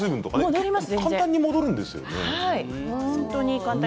簡単に戻るんですよね。